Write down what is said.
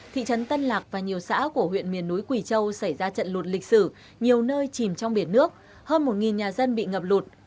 thị trấn tân lạc và nhiều xã của huyện miền núi quỳ châu xảy ra trận lụt lịch sử nhiều nơi chìm trong biển nước hơn một nhà dân bị ngập lụt